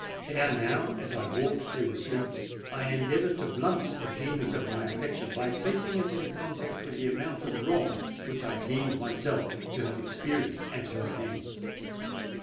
Ere now, as I walked through the streets, I endeavoured to blunt the keenness of my affection by placing it in contact with the amount of wrong which I deemed myself to have experienced at her hands.